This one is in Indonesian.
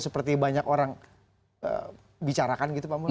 seperti banyak orang bicarakan gitu pak mulya